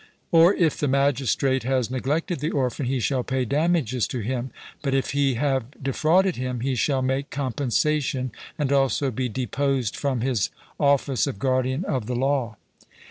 Or if the magistrate has neglected the orphan, he shall pay damages to him; but if he have defrauded him, he shall make compensation and also be deposed from his office of guardian of the law.